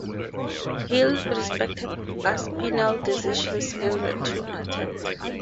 Hill respected Aspinall's decision and the two parted.